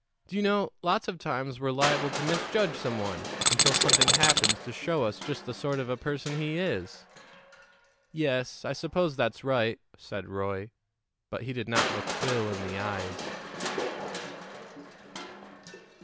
Do you know, lots of times we're liable to misjudge some one until something happens to show us just the sort of a person he is." "Yes; I suppose that's right," said Roy. But he did not look Phil in the eyes.